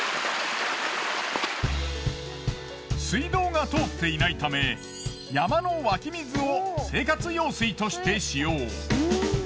水道が通っていないため山の湧き水を生活用水として使用。